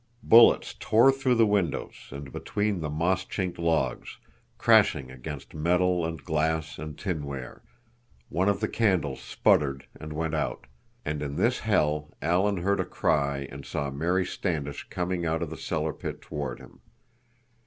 Bullets tore through the windows and between the moss chinked logs, crashing against metal and glass and tinware; one of the candles sputtered and went out, and in this hell Alan heard a cry and saw Mary Standish coming out of the cellar pit toward him.